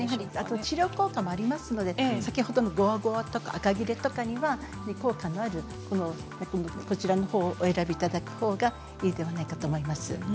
治療効果もありますのでごわごわとかあかぎれには効果のあるこちらのほうをお選びいただくほうがいいのではないかと思います。